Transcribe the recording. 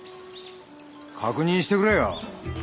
確認してくれよ。